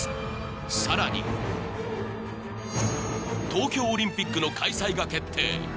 さらに東京オリンピックの開催が決定